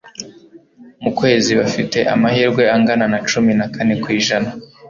mu kwezi bafite amahirwe angana na cumi nakane kwijana